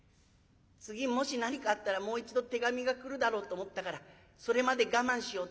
次もし何かあったらもう一度手紙が来るだろうと思ったからそれまで我慢しようと思ってたんだ。